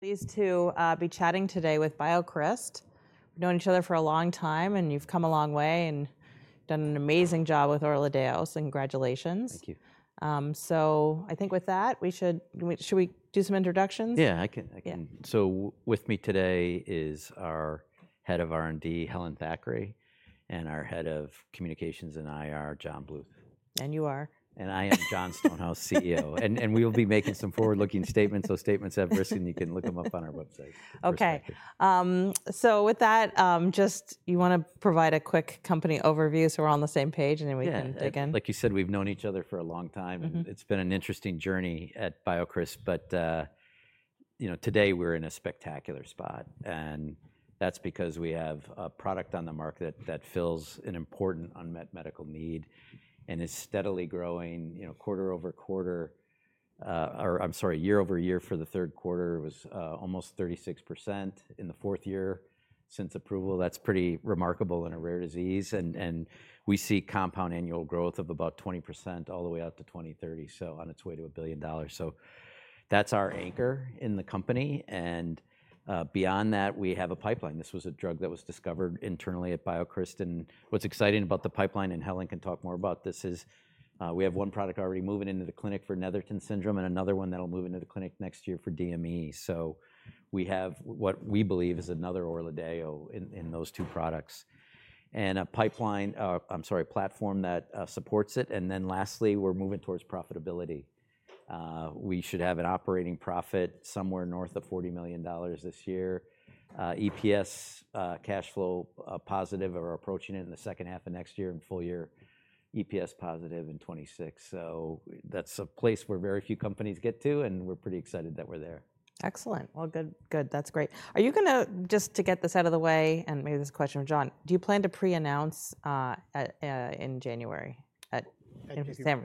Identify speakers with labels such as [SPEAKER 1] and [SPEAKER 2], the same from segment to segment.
[SPEAKER 1] Pleased to be chatting today with BioCryst. We've known each other for a long time, and you've come a long way and done an amazing job with ORLADEYOs. Congratulations.
[SPEAKER 2] Thank you. So I think with that, should we do some introductions? Yeah, I can. So with me today is our Head of R&D, Helen Thackray, and our Head of Communications and IR, John Bluth. You are. I am Jon Stonehouse, CEO. We will be making some forward-looking statements, so statements have risk, and you can look them up on our website. Okay. So with that, just, you want to provide a quick company overview so we're on the same page, and then we can dig in? Yeah. Like you said, we've known each other for a long time, and it's been an interesting journey at BioCryst. But today we're in a spectacular spot, and that's because we have a product on the market that fills an important unmet medical need and is steadily growing quarter-over-quarter - or I'm sorry, year-over-year for the third quarter. It was almost 36% in the fourth year since approval. That's pretty remarkable and a rare disease, and we see compound annual growth of about 20% all the way out to 2030, so on its way to $1 billion. So that's our anchor in the company, and beyond that, we have a pipeline. This was a drug that was discovered internally at BioCryst. What's exciting about the pipeline, and Helen can talk more about this, is we have one product already moving into the clinic for Netherton syndrome and another one that'll move into the clinic next year for DME. So we have what we believe is another ORLADEYO in those two products and a pipeline, I'm sorry, platform that supports it. And then lastly, we're moving towards profitability. We should have an operating profit somewhere north of $40 million this year. EPS cash flow positive. We're approaching it in the second half of next year and full year EPS positive in 2026. So that's a place where very few companies get to, and we're pretty excited that we're there. Excellent. Well, good. That's great. Are you going to (just to get this out of the way and maybe this question for Jon) do you plan to pre-announce in January? I think so. Yeah.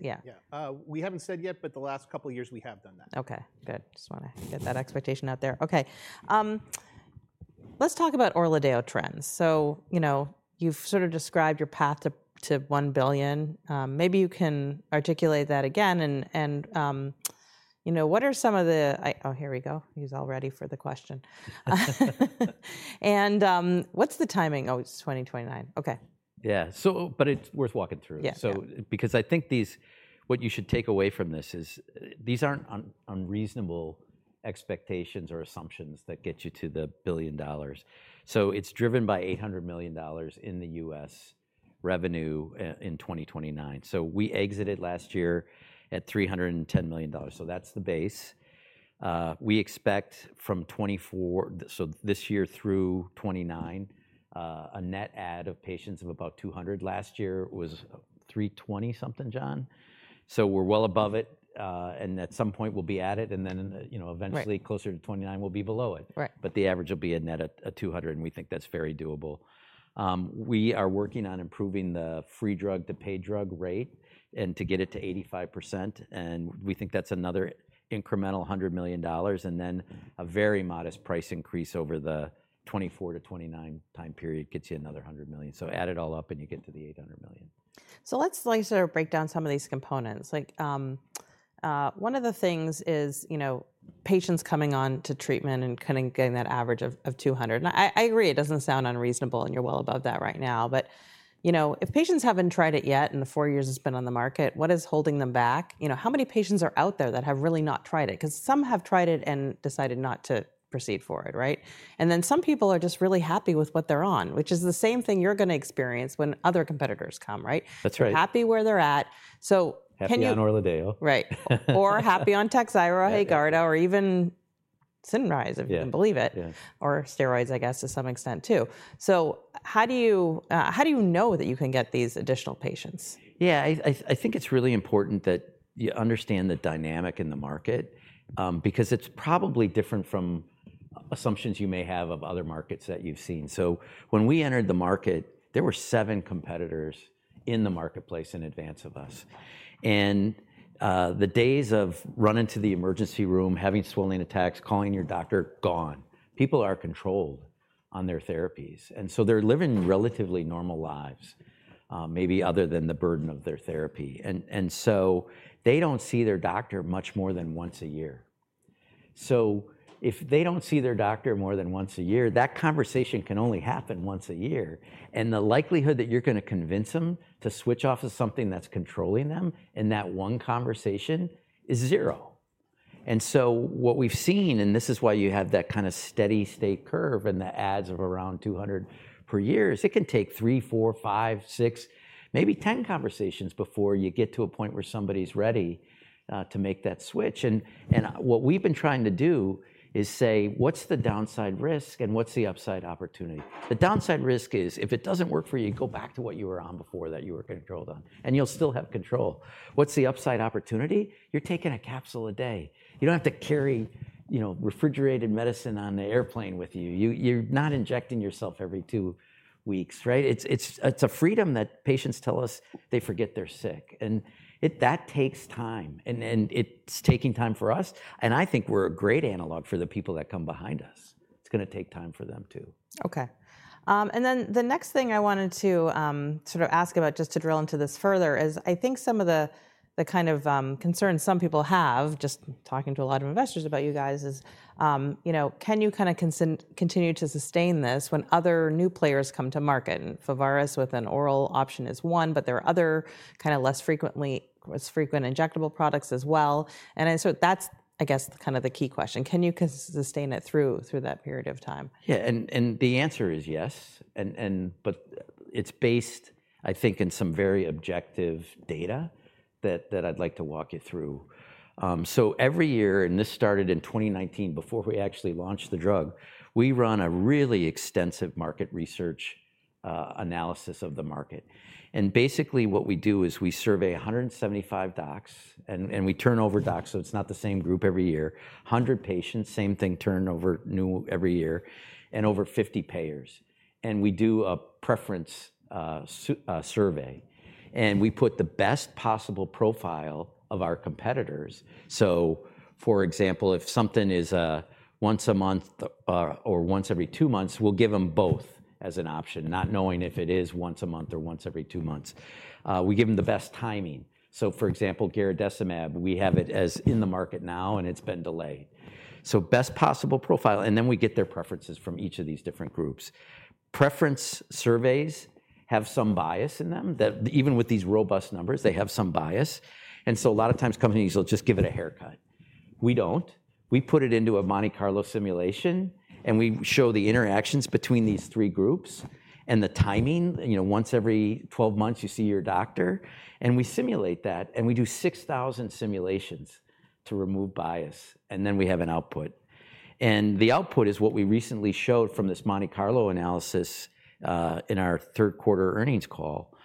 [SPEAKER 2] Yeah. We haven't said yet, but the last couple of years we have done that. Okay. Good. Just want to get that expectation out there. Okay. Let's talk about ORLADEYO trends. So you've sort of described your path to $1 billion. Maybe you can articulate that again. And what are some of the, oh, here we go. He's all ready for the question. And what's the timing? Oh, it's 2029. Okay. Yeah, but it's worth walking through. Because I think what you should take away from this is these aren't unreasonable expectations or assumptions that get you to the billion dollars, so it's driven by $800 million in the U.S. revenue in 2029, so we exited last year at $310 million. So that's the base. We expect from 2024, so this year through 2029, a net add of patients of about 200. Last year was 320-something, Jon. So we're well above it, and at some point, we'll be at it, and then eventually, closer to 2029, we'll be below it. But the average will be a net of 200, and we think that's very doable. We are working on improving the free drug to paid drug rate and to get it to 85%, and we think that's another incremental $100 million. And then a very modest price increase over the 2024-2029 time period gets you another $100 million. So add it all up, and you get to the $800 million. Let's sort of break down some of these components. One of the things is patients coming on to treatment and kind of getting that average of 200. And I agree, it doesn't sound unreasonable, and you're well above that right now. But if patients haven't tried it yet and the four years it's been on the market, what is holding them back? How many patients are out there that have really not tried it? Because some have tried it and decided not to proceed forward, right? And then some people are just really happy with what they're on, which is the same thing you're going to experience when other competitors come, right? That's right. Happy where they're at. So can you- Happy on ORLADEYO. Right. Or happy on Takhzyro, Haegarda, or even Cinryze, if you can believe it. Or steroids, I guess, to some extent, too. So how do you know that you can get these additional patients? Yeah. I think it's really important that you understand the dynamic in the market because it's probably different from assumptions you may have of other markets that you've seen. So when we entered the market, there were seven competitors in the marketplace in advance of us. And the days of running to the emergency room, having swollen attacks, calling your doctor, gone. People are controlled on their therapies. And so they're living relatively normal lives, maybe other than the burden of their therapy. And so they don't see their doctor much more than once a year. So if they don't see their doctor more than once a year, that conversation can only happen once a year. And the likelihood that you're going to convince them to switch off to something that's controlling them in that one conversation is zero. And so what we've seen, and this is why you have that kind of steady state curve and the adds of around 200 per year, is it can take three, four, five, six, maybe ten conversations before you get to a point where somebody's ready to make that switch. And what we've been trying to do is say, what's the downside risk and what's the upside opportunity? The downside risk is if it doesn't work for you, go back to what you were on before that you were controlled on, and you'll still have control. What's the upside opportunity? You're taking a capsule a day. You don't have to carry refrigerated medicine on the airplane with you. You're not injecting yourself every two weeks, right? It's a freedom that patients tell us they forget they're sick. And that takes time. And it's taking time for us. I think we're a great analog for the people that come behind us. It's going to take time for them, too. Okay. And then the next thing I wanted to sort of ask about, just to drill into this further, is I think some of the kind of concerns some people have, just talking to a lot of investors about you guys, is can you kind of continue to sustain this when other new players come to market? And Pharvaris, with an oral option, is one, but there are other kind of less frequently injectable products as well. And so that's, I guess, kind of the key question. Can you sustain it through that period of time? Yeah. And the answer is yes. But it's based, I think, in some very objective data that I'd like to walk you through. So every year, and this started in 2019 before we actually launched the drug, we run a really extensive market research analysis of the market. And basically, what we do is we survey 175 docs, and we turn over docs, so it's not the same group every year, 100 patients, same thing, turnover new every year, and over 50 payers. And we do a preference survey. And we put the best possible profile of our competitors. So for example, if something is once a month or once every two months, we'll give them both as an option, not knowing if it is once a month or once every two months. We give them the best timing. So for example, garadacimab, we have it as in the market now, and it's been delayed. So best possible profile. And then we get their preferences from each of these different groups. Preference surveys have some bias in them. Even with these robust numbers, they have some bias. And so a lot of times, companies will just give it a haircut. We don't. We put it into a Monte Carlo simulation, and we show the interactions between these three groups and the timing. Once every 12 months, you see your doctor. And we simulate that. And we do 6,000 simulations to remove bias. And then we have an output. And the output is what we recently showed from this Monte Carlo analysis in our third quarter earnings call.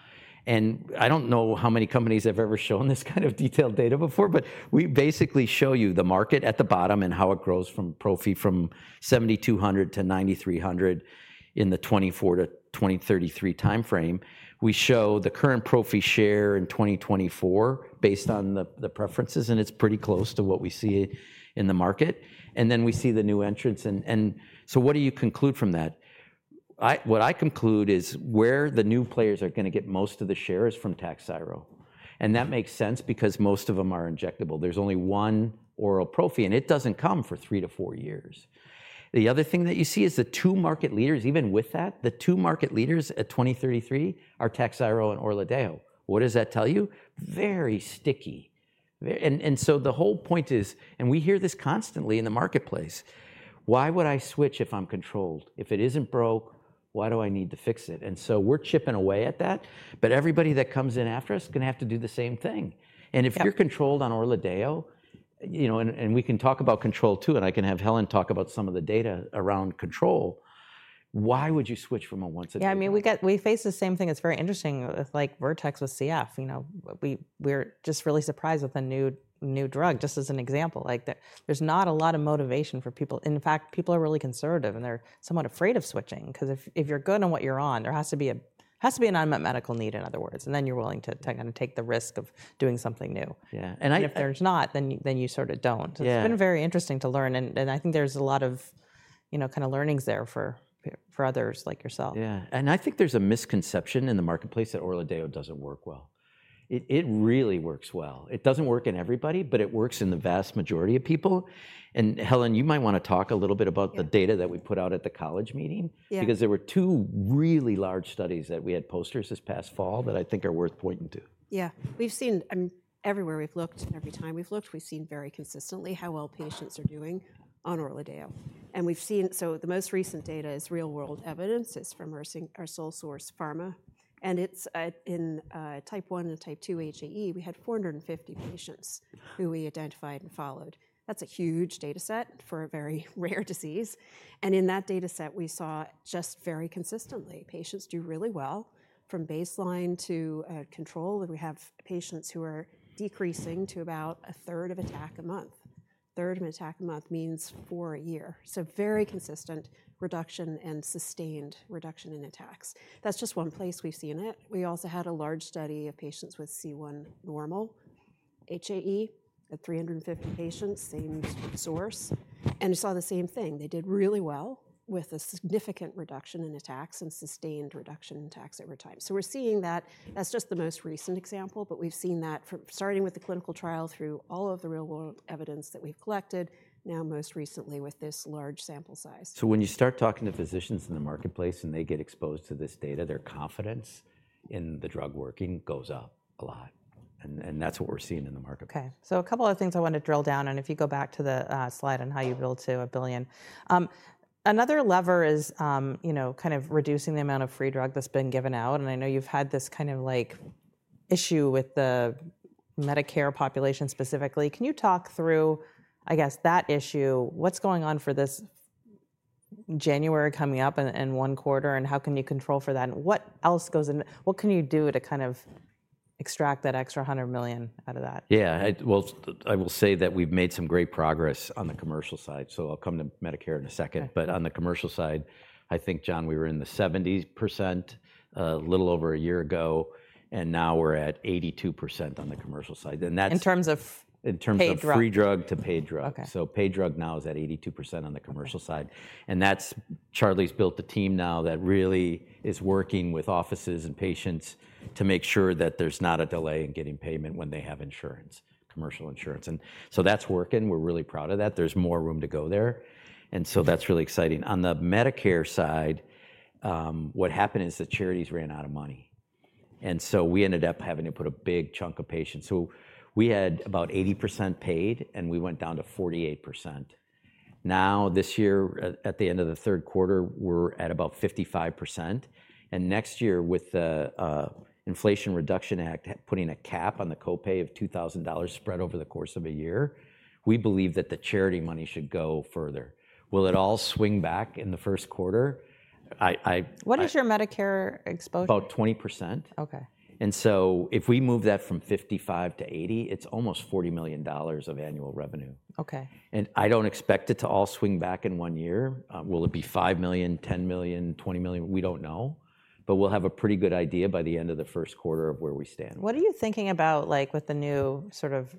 [SPEAKER 2] I don't know how many companies have ever shown this kind of detailed data before, but we basically show you the market at the bottom and how it grows from 7,200 to 9,300 patients in the 2024-2033 time frame. We show the current patient share in 2024 based on the preferences, and it's pretty close to what we see in the market. And then we see the new entrants. And so what do you conclude from that? What I conclude is where the new players are going to get most of the share is from Takhzyro. And that makes sense because most of them are injectable. There's only one oral prophy, and it doesn't come for three to four years. The other thing that you see is the two market leaders, even with that, the two market leaders at 2033 are Takhzyro and ORLADEYO. What does that tell you? Very sticky. And so the whole point is, and we hear this constantly in the marketplace, why would I switch if I'm controlled? If it isn't broke, why do I need to fix it? And so we're chipping away at that. But everybody that comes in after us is going to have to do the same thing. And if you're controlled on ORLADEYO, and we can talk about control, too, and I can have Helen talk about some of the data around control, why would you switch from a once a two? Yeah. I mean, we face the same thing. It's very interesting with Vertex with CF. We're just really surprised with a new drug, just as an example. There's not a lot of motivation for people. In fact, people are really conservative, and they're somewhat afraid of switching. Because if you're good on what you're on, there has to be an unmet medical need, in other words. And then you're willing to kind of take the risk of doing something new. Yeah. If there's not, then you sort of don't. It's been very interesting to learn. I think there's a lot of kind of learnings there for others like yourself. Yeah. And I think there's a misconception in the marketplace that ORLADEYO doesn't work well. It really works well. It doesn't work in everybody, but it works in the vast majority of people. And Helen, you might want to talk a little bit about the data that we put out at the college meeting because there were two really large studies that we had posters this past fall that I think are worth pointing to.
[SPEAKER 3] Yeah. Everywhere we've looked, every time we've looked, we've seen very consistently how well patients are doing on ORLADEYO. And so the most recent data is real-world evidence. It's from our sole source, Pharma. And it's in type 1 and type 2 HAE. We had 450 patients who we identified and followed. That's a huge data set for a very rare disease. And in that data set, we saw just very consistently patients do really well from baseline to control. And we have patients who are decreasing to about a third of attack a month. Third of attack a month means four a year. So very consistent reduction and sustained reduction in attacks. That's just one place we've seen it. We also had a large study of patients with C1 normal HAE at 350 patients, same source. And we saw the same thing. They did really well with a significant reduction in attacks and sustained reduction in attacks over time. So we're seeing that. That's just the most recent example. But we've seen that starting with the clinical trial through all of the real-world evidence that we've collected, now most recently with this large sample size.
[SPEAKER 2] So when you start talking to physicians in the marketplace and they get exposed to this data, their confidence in the drug working goes up a lot. And that's what we're seeing in the marketplace. Okay. So a couple of things I want to drill down on. If you go back to the slide on how you built to $1 billion. Another lever is kind of reducing the amount of free drug that's been given out. And I know you've had this kind of issue with the Medicare population specifically. Can you talk through, I guess, that issue? What's going on for this January coming up and one quarter, and how can you control for that? And what else goes in? What can you do to kind of extract that extra $100 million out of that? Yeah. Well, I will say that we've made some great progress on the commercial side. So I'll come to Medicare in a second. But on the commercial side, I think, John, we were in the 70% a little over a year ago. And now we're at 82% on the commercial side. And that's. In terms of. In terms of free drug to paid drug. So paid drug now is at 82% on the commercial side. And Charlie's built a team now that really is working with offices and patients to make sure that there's not a delay in getting payment when they have insurance, commercial insurance. And so that's working. We're really proud of that. There's more room to go there. And so that's really exciting. On the Medicare side, what happened is the charities ran out of money. And so we ended up having to put a big chunk of patients. So we had about 80% paid, and we went down to 48%. Now, this year, at the end of the third quarter, we're at about 55%. Next year, with the Inflation Reduction Act putting a cap on the copay of $2,000 spread over the course of a year, we believe that the charity money should go further. Will it all swing back in the first quarter? What is your Medicare exposure? About 20%. Okay. If we move that from 55 to 80, it's almost $40 million of annual revenue. Okay. And I don't expect it to all swing back in one year. Will it be $5 million, $10 million, $20 million? We don't know. But we'll have a pretty good idea by the end of the first quarter of where we stand. What are you thinking about with the new sort of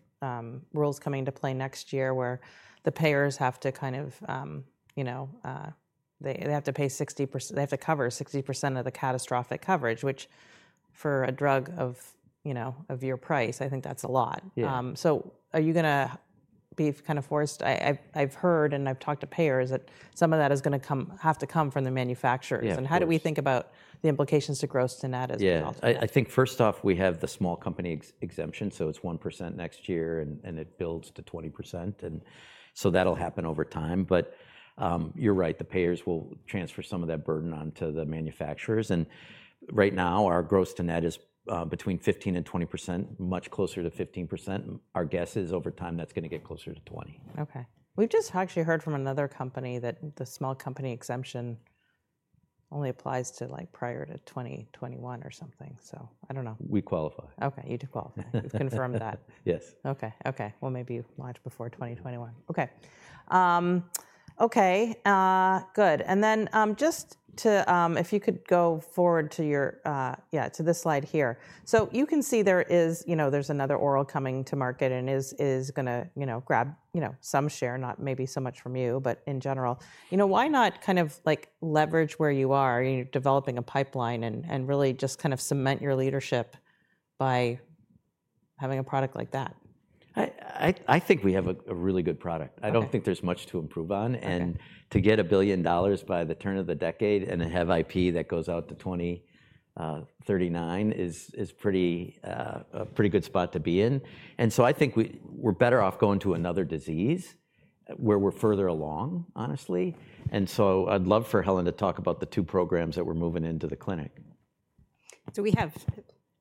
[SPEAKER 2] rules coming into play next year where the payers have to kind of, they have to pay 60%, they have to cover 60% of the catastrophic coverage, which for a drug of your price, I think that's a lot, so are you going to be kind of forced? I've heard and I've talked to payers that some of that is going to have to come from the manufacturers, and how do we think about the implications to gross-to-net as a result? Yeah. I think first off, we have the small company exemption. So it's 1% next year, and it builds to 20%. And so that'll happen over time. But you're right, the payers will transfer some of that burden onto the manufacturers. And right now, our gross-to-net is between 15% and 20%, much closer to 15%. Our guess is over time, that's going to get closer to 20%. Okay. We've just actually heard from another company that the small company exemption only applies prior to 2021 or something, so I don't know. We qualify. Okay. You do qualify. You've confirmed that. Yes. Okay. Well, maybe you launch before 2021. Okay. Good. And then, if you could go forward to your, yeah, to this slide here. So you can see there's another oral coming to market and is going to grab some share, not maybe so much from you, but in general. Why not kind of leverage where you are developing a pipeline and really just kind of cement your leadership by having a product like that? I think we have a really good product. I don't think there's much to improve on, and to get $1 billion by the turn of the decade and have IP that goes out to 2039 is a pretty good spot to be in, and so I think we're better off going to another disease where we're further along, honestly, and so I'd love for Helen to talk about the two programs that we're moving into the clinic.
[SPEAKER 3] So we have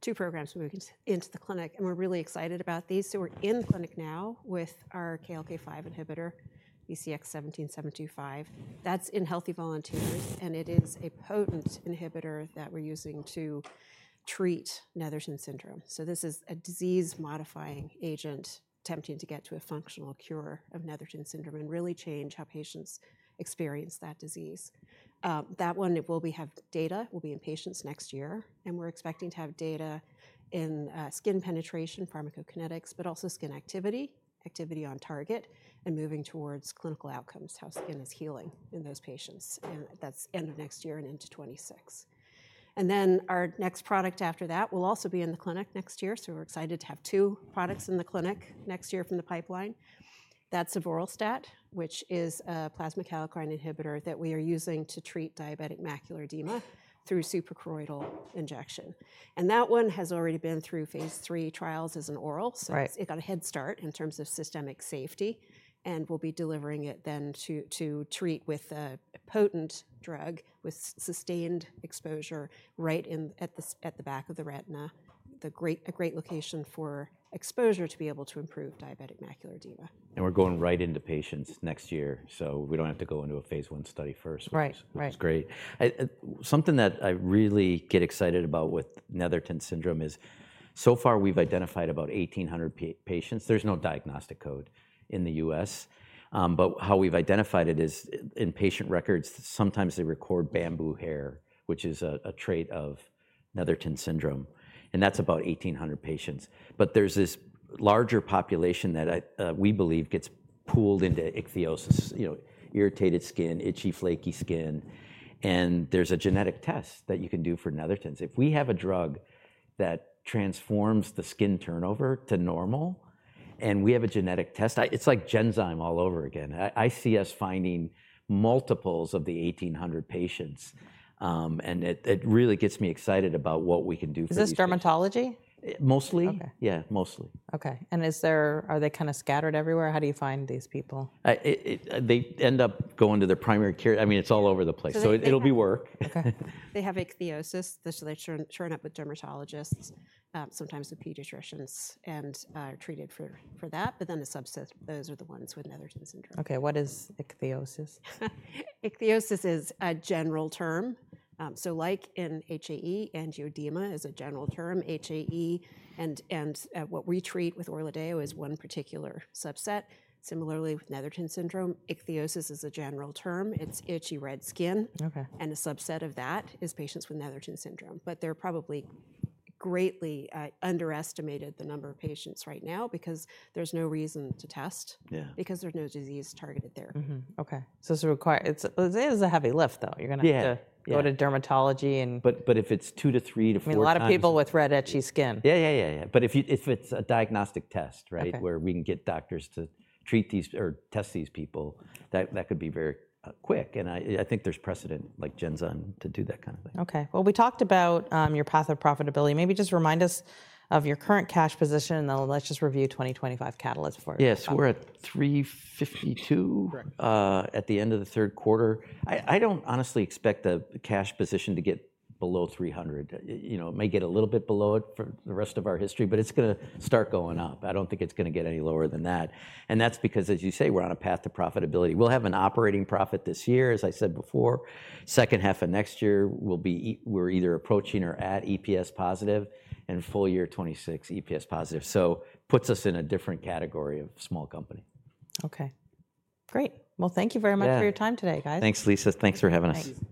[SPEAKER 3] two programs moving into the clinic. And we're really excited about these. So we're in the clinic now with our KLK-5 inhibitor, BCX17725. That's in healthy volunteers. And it is a potent inhibitor that we're using to treat Netherton syndrome. So this is a disease-modifying agent attempting to get to a functional cure of Netherton syndrome and really change how patients experience that disease. That one, we'll have data. We'll be in patients next year. And we're expecting to have data in skin penetration, pharmacokinetics, but also skin activity, activity on target, and moving towards clinical outcomes, how skin is healing in those patients. And that's end of next year and into 2026. And then our next product after that will also be in the clinic next year. So we're excited to have two products in the clinic next year from the pipeline. That's avoralstat, which is a plasma kallikrein inhibitor that we are using to treat diabetic macular edema through suprachoroidal injection. And that one has already been through phase three trials as an oral. So it got a head start in terms of systemic safety. And we'll be delivering it then to treat with a potent drug with sustained exposure right at the back of the retina, a great location for exposure to be able to improve diabetic macular edema.
[SPEAKER 2] We're going right into patients next year. We don't have to go into a phase one study first, which is great. Something that I really get excited about with Netherton syndrome is so far we've identified about 1,800 patients. There's no diagnostic code in the U.S. How we've identified it is in patient records, sometimes they record bamboo hair, which is a trait of Netherton syndrome. That's about 1,800 patients. There's this larger population that we believe gets pulled into ichthyosis, irritated skin, itchy, flaky skin. There's a genetic test that you can do for Netherton syndrome. If we have a drug that transforms the skin turnover to normal and we have a genetic test, it's like Genzyme all over again. I see us finding multiples of the 1,800 patients. It really gets me excited about what we can do for these patients. Is this dermatology? Mostly. Yeah, mostly. Okay. And are they kind of scattered everywhere? How do you find these people? They end up going to their primary care. I mean, it's all over the place. So it'll be work.
[SPEAKER 3] Okay. They have ichthyosis. They show up with dermatologists, sometimes with pediatricians, and are treated for that. But then those are the ones with Netherton syndrome. Okay. What is ichthyosis? Ichthyosis is a general term. So like in HAE, angioedema is a general term. HAE and what we treat with ORLADEYO is one particular subset. Similarly, with Netherton syndrome, ichthyosis is a general term. It's itchy red skin. And a subset of that is patients with Netherton syndrome. But they're probably greatly underestimated, the number of patients right now, because there's no reason to test because there's no disease targeted there. Okay. So it's a heavy lift, though. You're going to have to go to dermatology and.
[SPEAKER 2] But if it's two to three to four. A lot of people with red, itchy skin. But if it's a diagnostic test, right, where we can get doctors to treat these or test these people, that could be very quick. And I think there's precedent like Genzyme to do that kind of thing. We talked about your path of profitability. Maybe just remind us of your current cash position. Then let's just review 2025 catalyst for you. Yes. We're at $352 million at the end of the third quarter. I don't honestly expect the cash position to get below $300 million. It may get a little bit below it for the rest of our history. But it's going to start going up. I don't think it's going to get any lower than that. And that's because, as you say, we're on a path to profitability. We'll have an operating profit this year, as I said before. Second half of next year, we're either approaching or at EPS positive and full year 2026 EPS positive. So puts us in a different category of small company. Okay. Great. Well, thank you very much for your time today, guys. Thanks, Lisa. Thanks for having us.